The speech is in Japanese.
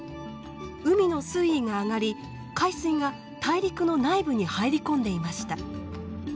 海の水位が上がり海水が大陸の内部に入り込んでいました。